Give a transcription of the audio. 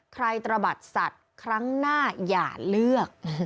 ตระบัดสัตว์ครั้งหน้าอย่าเลือก